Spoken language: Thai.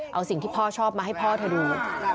เอาสิ่งที่พ่อชอบมาให้พ่อเธอดู